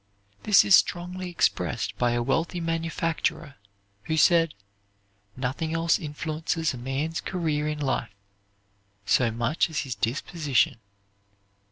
This is strongly expressed by a wealthy manufacturer who said: "Nothing else influences a man's career in life so much as his disposition.